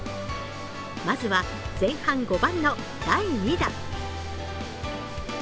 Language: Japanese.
まずは前半５番の第２打。